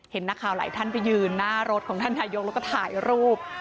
เห็นนักข่าวหลายท่านไปยืนหน้ารถของท่านนายกแล้วก็ถ่ายรูป